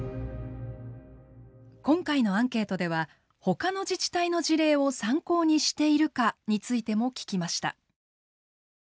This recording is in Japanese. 今回のアンケートではほかの自治体の事例を参考にしているかについても聞きました。